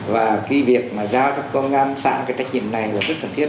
và cái việc mà giao cho công an xã cái trách nhiệm này là rất cần thiết